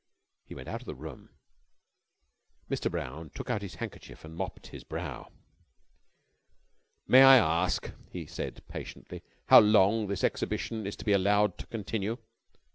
He went out of the room. Mr. Brown took out his handkerchief and mopped his brow. "May I ask," he said patiently, "how long this exhibition is to be allowed to continue?"